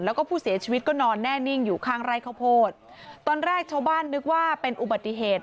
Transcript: แล้วก็ผู้เสียชีวิตก็นอนแน่นิ่งอยู่ข้างไร่ข้าวโพดตอนแรกชาวบ้านนึกว่าเป็นอุบัติเหตุ